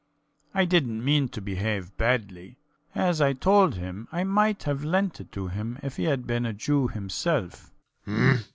I didnt mean to behave badly. As I told him, I might have lent it to him if he had been a Jew himself.